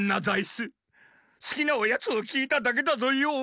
すきなおやつをきいただけだぞよ。